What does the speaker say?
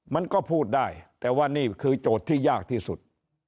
มันก็พูดได้แต่ว่านี่คือโจทย์ที่ยากที่สุด